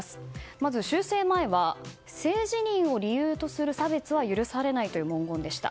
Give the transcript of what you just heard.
まず、修正前は性自認を理由とする差別は許されないという文言でした。